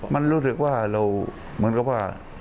มันรู้สึกว่าเราเหมือนกับว่า